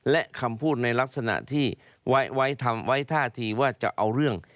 และคำพูดในลักษณะที่ไว้ท่าทีว่าจะเอาเรื่อง